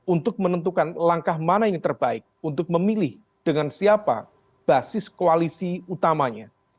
untuk menentukan langkah mana yang terbaik untuk memilih dengan siapa basis koalisi utamanya